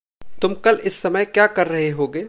तुम कल इस समय क्या कर रहे होगे?